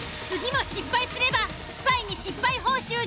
次も失敗すればスパイに失敗報酬